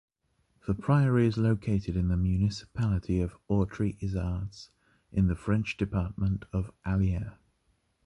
The priory is located in the municipality of Autry-Issards, in the french department of Allier.